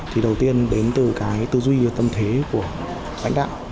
thì đầu tiên đến từ cái tư duy và tâm thế của lãnh đạo